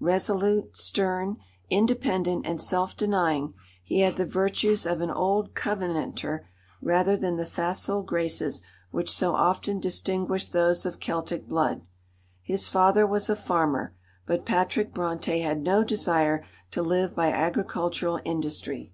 Resolute, stern, independent, and self denying, he had the virtues of an old Covenanter rather than the facile graces which so often distinguish those of Celtic blood. His father was a farmer, but Patrick Brontë had no desire to live by agricultural industry.